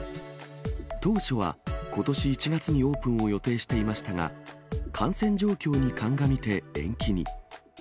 当初は、ことし１月にオープンを予定していましたが、感染状況に鑑みて延期に。